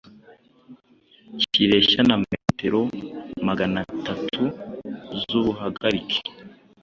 kireshya na metero maganatatu z’ubuhagarike